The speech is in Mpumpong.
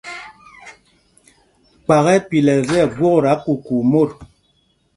Kpak ɛ́ ɛ́ pilɛl tí ɛgwokta kukuu mot.